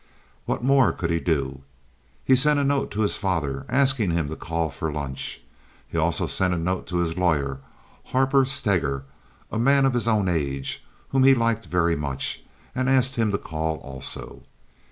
What more could he do? He sent a note to his father, asking him to call for lunch. He sent a note to his lawyer, Harper Steger, a man of his own age whom he liked very much, and asked him to call also.